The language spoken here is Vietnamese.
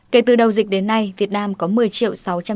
kể từ đầu dịch đến nay việt nam có một mươi triệu ca